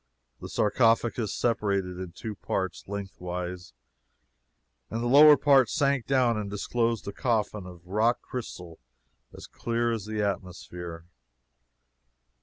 The sarcophagus separated in two parts, lengthwise, and the lower part sank down and disclosed a coffin of rock crystal as clear as the atmosphere.